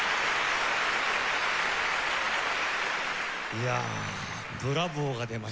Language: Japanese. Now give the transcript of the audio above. いやあ「ブラボー」が出ました。